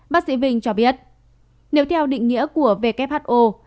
bác sĩ vinh cho biết nếu theo định nghĩa của who